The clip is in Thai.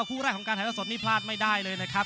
คู่แรกของการถ่ายละสดนี่พลาดไม่ได้เลยนะครับ